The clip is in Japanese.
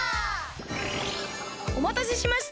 おまたせしました！